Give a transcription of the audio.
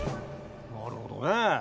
なるほどね。